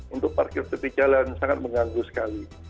untuk parkir tepi jalan sangat mengganggu sekali